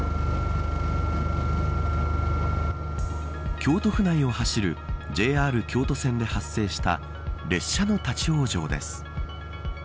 京都府内を走るＪＲ京都線で発生した列車の立ち往生です。